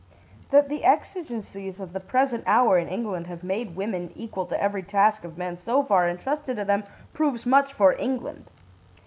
That the exigencies of the present hour in England have made women equal to every task of men so far entrusted to them, proves much for England.